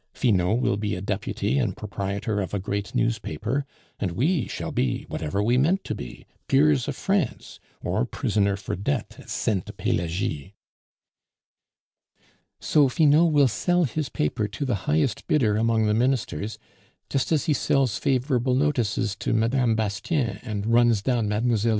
Finot will be a deputy and proprietor of a great newspaper, and we shall be whatever we meant to be peers of France, or prisoner for debt in Sainte Pelagie." "So Finot will sell his paper to the highest bidder among the Ministers, just as he sells favorable notices to Mme. Bastienne and runs down Mlle.